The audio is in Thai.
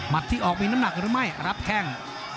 ที่ออกมีน้ำหนักหรือไม่รับแข้ง